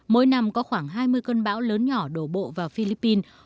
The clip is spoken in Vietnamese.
mỗi năm có khoảng hai mươi cơn bão lớn nhỏ đổ bộ vào philippines